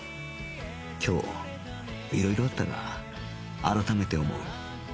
今日いろいろあったが改めて思う